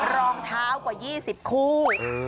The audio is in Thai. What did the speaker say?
รองเท้ากว่า๒๐คู่